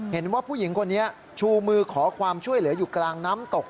เห็นว่าผู้หญิงคนนี้ชูมือขอความช่วยเหลืออยู่กลางน้ำตก